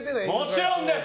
もちろんです！